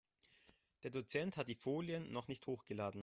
Der Dozent hat die Folien noch nicht hochgeladen.